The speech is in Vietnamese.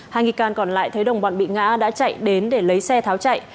hai nghi can còn lại thấy đồng bọn bị ngã đã chạy đến để lấy xe tháo chạy